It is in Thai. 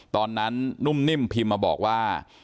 ตอนนั้นนุ่มนิ่มพิมพ์มาบอกว่า